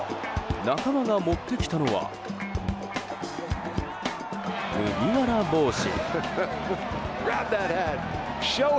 仲間が持ってきたのは麦わら帽子。